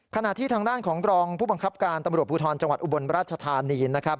ขณะที่ทางด้านของรองผู้บังคับการตำรวจภูทรจังหวัดอุบลราชธานีนะครับ